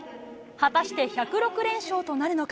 果たして１０６連勝となるのか。